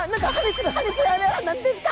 あれは何ですか！？